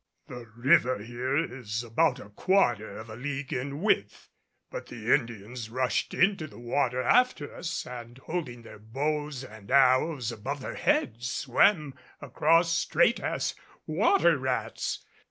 The river here is about a quarter of a league in width, but the Indians rushed into the water after us and holding their bows and arrows above their heads, swam across straight as water rats.